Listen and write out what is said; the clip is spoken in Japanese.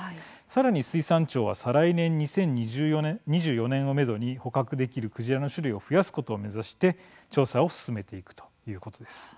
さらに水産庁は再来年２０２４年をめどに捕獲できるクジラの種類を増やすことを目指して調査を進めていくということです。